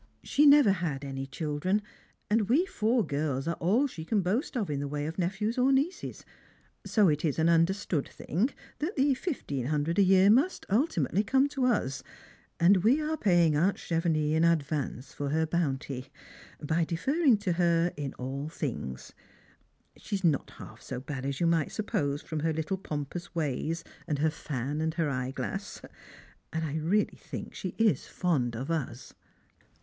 She never had any children, and we four girls are all she can boast of in the way of nephews or nieces, so it is an understood thing that the fifteen hundred a year must ultimately come to us, and we are paying aunt Chevenix in advance for her bounty, by deferring to her in all things. She is not half so bad as you might suppose from her little pompous ways and her fan and eyeglass; and I really think she is fond of us."